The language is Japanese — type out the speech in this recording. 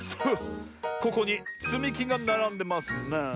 ここにつみきがならんでますね。